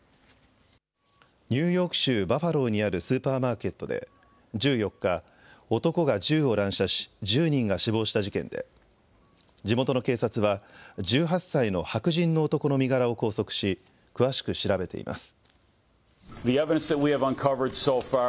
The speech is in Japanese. ニューヨーク州バファローにあるスーパーマーケットで１４日、男が銃を乱射し１０人が死亡した事件で地元の警察は１８歳の白人の男の身柄を拘束し詳しく調べています。